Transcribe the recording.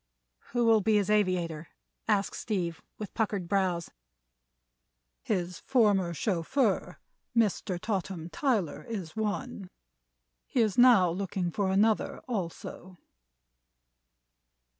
"Who will be his aviator?" asked Steve, with puckered brows. "His former chauffeur, Mr. Totham Tyler, is one. He is now looking for another, also."